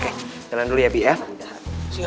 oke jalan dulu ya bi ya